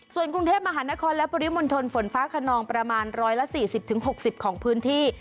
ส่วนกรุงเทพมหานครและปริมณฑลฝนฟ้าขนองประมาณ๑๔๐๖๐ของพื้นที่